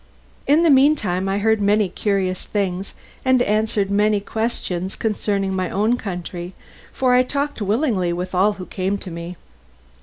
In the meantime I heard many curious things, and answered many questions concerning my own country, for I talked willingly with all who came to me.